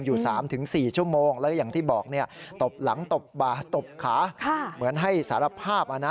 อยู่๓๔ชั่วโมงแล้วก็อย่างที่บอกตบหลังตบบาตบขาเหมือนให้สารภาพ